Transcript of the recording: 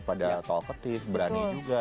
pada talkative berani juga